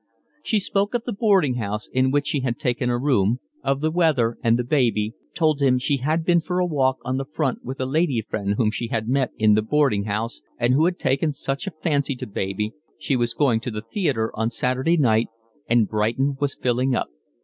She spoke of the boarding house in which she had taken a room, of the weather and the baby, told him she had been for a walk on the front with a lady friend whom she had met in the boarding house and who had taken such a fancy to baby, she was going to the theatre on Saturday night, and Brighton was filling up.